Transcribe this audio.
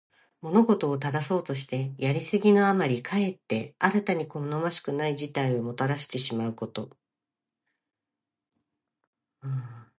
物事を正そうとして、やりすぎのあまりかえって新たに好ましくない事態をもたらしてしまうこと。「枉れるを矯めて直きに過ぐ」とも読む。